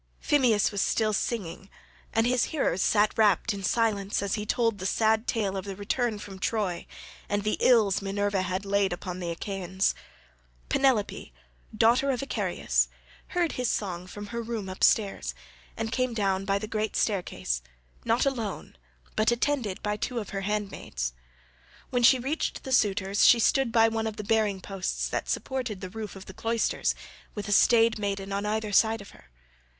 Phemius was still singing, and his hearers sat rapt in silence as he told the sad tale of the return from Troy, and the ills Minerva had laid upon the Achaeans. Penelope, daughter of Icarius, heard his song from her room upstairs, and came down by the great staircase, not alone, but attended by two of her handmaids. When she reached the suitors she stood by one of the bearing posts that supported the roof of the cloisters8 with a staid maiden on either side of her.